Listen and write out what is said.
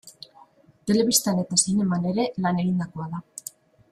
Telebistan eta zineman ere lan egindakoa da.